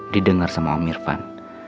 didengar sama amirvan